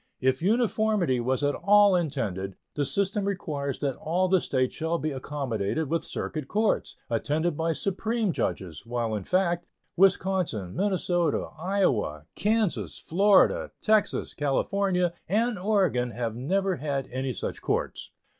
If uniformity was at all intended, the system requires that all the States shall be accommodated with circuit courts, attended by Supreme judges, while, in fact, Wisconsin, Minnesota, Iowa, Kansas, Florida, Texas, California, and Oregon have never had any such courts.